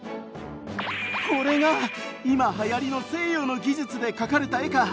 これが今はやりの西洋の技術で描かれた絵か！